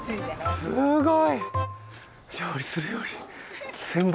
すごい！